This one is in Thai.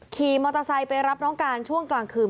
ขี่มอเตอร์ไซค์ไปรับน้องการช่วงกลางคืน